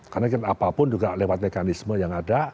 karena apapun juga lewat mekanisme yang ada